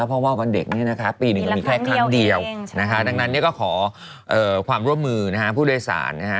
เพราะว่าวันเด็กปีหนึ่งมีแค่ครั้งเดียวดังนั้นก็ขอความร่วมมือผู้โดยศาล